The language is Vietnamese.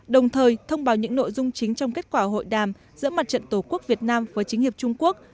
đồng thời thông báo những nội dung chính trong kết quả hội đàm giữa mặt trận tổ quốc việt nam với chính hiệp trung quốc